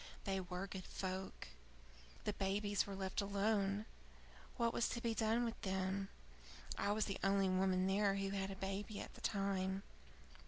They were good folk. The babies were left alone. What was to be done with them? I was the only woman there who had a baby at the time.